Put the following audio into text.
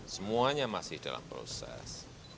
semuanya masih dalam proses